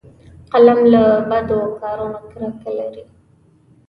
قلم له بدو کارونو کرکه لري